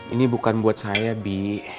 ini bukan buat saya bi